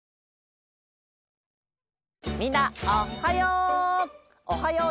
みんなおはよう！